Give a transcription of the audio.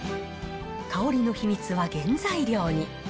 香りの秘密は原材料に。